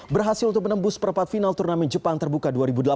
berhasil untuk menembus perempat final turnamen jepang terbuka dua ribu delapan belas